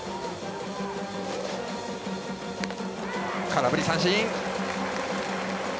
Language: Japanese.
空振り三振。